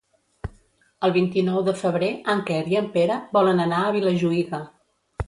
El vint-i-nou de febrer en Quer i en Pere volen anar a Vilajuïga.